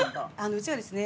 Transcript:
うちはですね